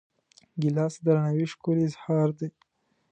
ګیلاس د درناوي ښکلی اظهار دی.